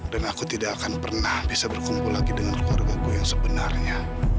dan aku tidak akan pernah bisa berkumpul lagi dengan keluarga ku yang sebenarnya